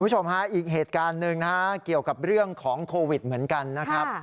คุณผู้ชมฮะอีกเหตุการณ์หนึ่งนะฮะเกี่ยวกับเรื่องของโควิดเหมือนกันนะครับ